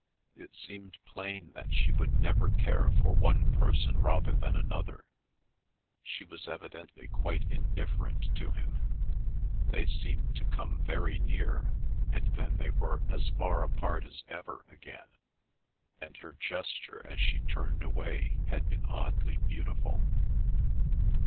It seemed plain that she would never care for one person rather than another; she was evidently quite indifferent to him; they seemed to come very near, and then they were as far apart as ever again; and her gesture as she turned away had been oddly beautiful.